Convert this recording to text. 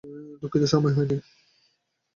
দুঃখিত সময় হয়নি।